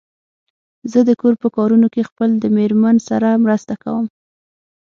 زه د کور په کارونو کې خپل د مېرمن سره مرسته کوم.